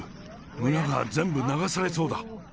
村が全部流されそうだ。